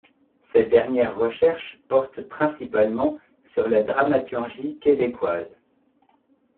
Ses dernières recherches portent principalement sur la dramaturgie québécoise.